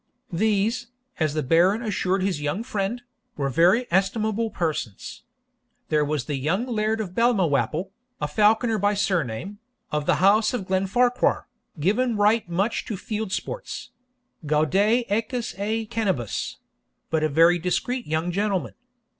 These, as the Baron assured his young friend, were very estimable persons. 'There was the young Laird of Balmawhapple, a Falconer by surname, of the house of Glenfarquhar, given right much to field sports gaudet equis et canibus but a very discreet young gentleman.